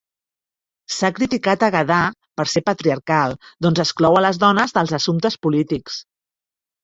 S'ha criticat a Gadaa per ser patriarcal, doncs exclou a les dones dels assumptes polítics.